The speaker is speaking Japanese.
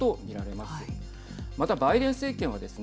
また、バイデン政権はですね